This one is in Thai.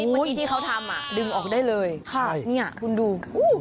เมื่อกี้ที่เขาทำดึงออกได้เลยคุณดู